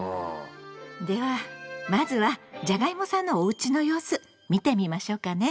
ではまずはじゃがいもさんのおうちの様子見てみましょうかね。